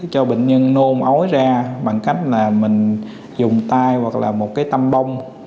cho bệnh nhân nôn ối ra bằng cách là mình dùng tay hoặc là một cái tăm bông